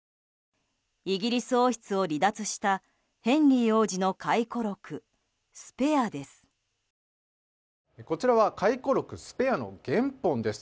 イギリス王室を離脱したヘンリー王子の回顧録「スペア」です。